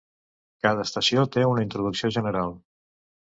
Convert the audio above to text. Cada estació té una introducció general.